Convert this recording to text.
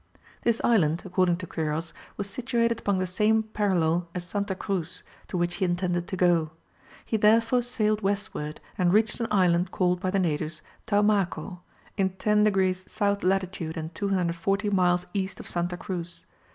This island, according to Quiros, was situated upon the same parallel as Santa Cruz, to which he intended to go. He therefore sailed westward and reached an island called by the natives Taumaco, in 10 degrees south latitude and 240 miles east of Santa Cruz.